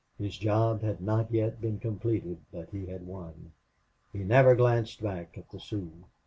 His job had not yet been completed, but he had won. He never glanced back at the Sioux.